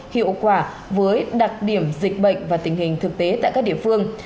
hiệu quả với đặc điểm dịch bệnh và tình hình thực tế tại các địa phương